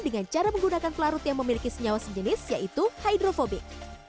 dengan cara menggunakan pelarut yang memiliki senyawa sejenis yaitu hydrofobik